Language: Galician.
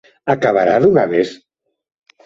Acabará dunha vez?